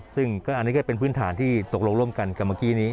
ซึ่งอันนี้ก็เป็นพื้นฐานที่ตกลงร่วมกันกับเมื่อกี้นี้